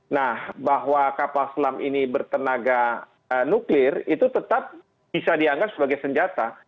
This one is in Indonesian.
nah bahwa kapal selam ini bertenaga nuklir itu tetap bisa dianggap sebagai senjata